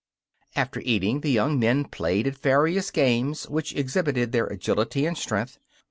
After eating, the young men played at various games which exhibited their agility and strength.